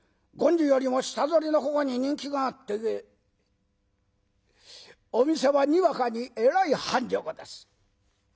権次よりも下ぞりの方に人気があってお店はにわかにえらい繁盛です。